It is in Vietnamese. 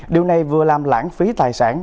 điều này vừa làm lãng phí tài sản